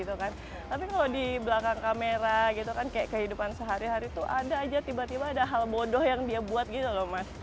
tapi kalau di belakang kamera gitu kan kayak kehidupan sehari hari tuh ada aja tiba tiba ada hal bodoh yang dia buat gitu loh mas